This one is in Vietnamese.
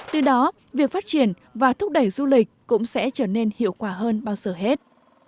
từ đó việc phát triển và thúc đẩy du lịch cũng sẽ trở nên hiệu quả hơn bao giờ hết